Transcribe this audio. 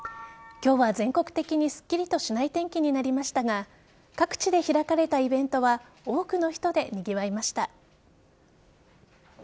今日は全国的にすっきりとしない天気になりましたが各地で開かれたイベントは多くの人でにぎわいました。